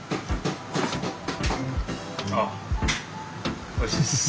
あっおいしいです。